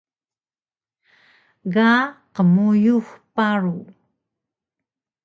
Ga qmuyux paru